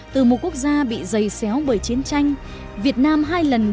từ một quốc gia bị dày xéo bởi chiến tranh việt nam hai lần đảm nhận trọng trách